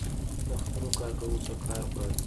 له خپلو کارکوونکو څخه کار غواړي.